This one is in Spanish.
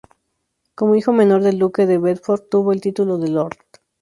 Como hijo menor del duque de Bedford, tuvo el título de "Lord".